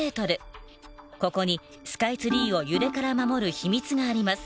ここにスカイツリーを揺れから守る秘密があります。